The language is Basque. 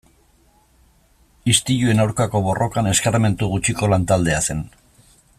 Istiluen aurkako borrokan eskarmentu gutxiko lan-taldea zen.